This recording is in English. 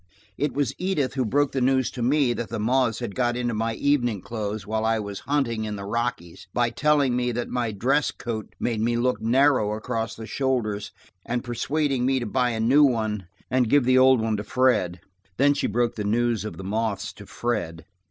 It was Edith who broke the news to me that the moths had got into my evening clothes while I was hunting in the Rockies, by telling me that my dress coat made me look narrow across the shoulders and persuading me to buy a new one and give the old one to Fred. Then she broke the news of the moths to Fred!